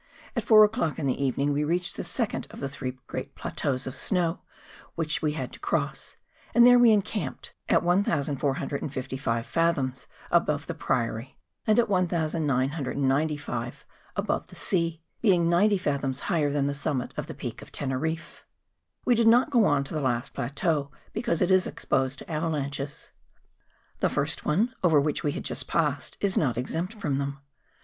At four o'clock in the evening we reached the second of the three great plateaux of snow which we had to cross ; and there we encamped, at 1455 fathoms above the Priory, and at 1995 above the sea, being 90 fathoms higher than the summit of the Peak of Teneriffe. We did not go on to the last plateau, because it is exposed to avalanches. The first one over which we had just passed, is not exempt from them.